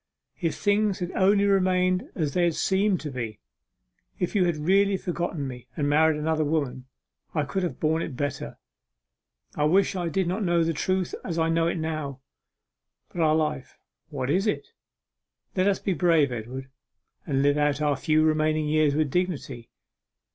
If things had only remained as they seemed to be, if you had really forgotten me and married another woman, I could have borne it better. I wish I did not know the truth as I know it now! But our life, what is it? Let us be brave, Edward, and live out our few remaining years with dignity.